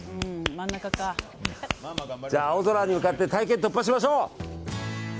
じゃあ、青空に向かって大気圏突破しましょう。